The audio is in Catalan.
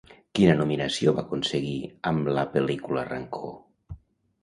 Quina nominació va aconseguir amb la pel·lícula Rancor?